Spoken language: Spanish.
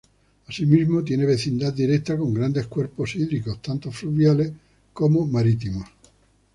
Asimismo tiene vecindad directa con grandes cuerpos hídricos, tanto fluviales como marítimos.